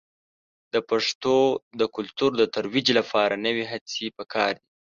د پښتو د کلتور د ترویج لپاره نوې هڅې په کار دي.